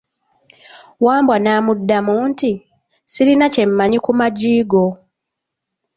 Wambwa n'amudamu nti, sirina kye mmanyi ku maggi go.